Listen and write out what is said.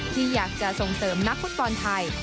ที่อยากจะส่งเสริมนักฟุตบอลไทย